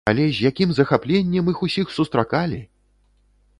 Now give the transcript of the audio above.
Але з якім захапленнем іх усіх сустракалі!